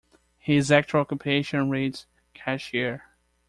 His actual occupation reads cashier.